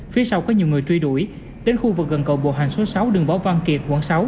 phía sau có nhiều người truy đuổi đến khu vực gần cầu bộ hàng số sáu đường võ văn kiệt quận sáu